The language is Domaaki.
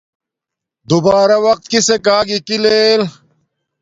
دوبارہ وقت کسک آگی کی لیل